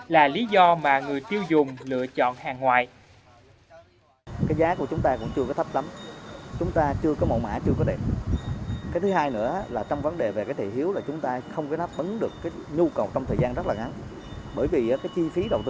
là lý do mà người tiêu dùng lựa chọn hàng ngoại